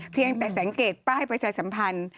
เพียงแต่สังเกตป้ายประชาสัมพันธ์